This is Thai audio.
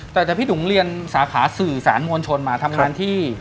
แต่พี่ถุงเรียนสาขาสื่อสารมวลชนมาทำงานที่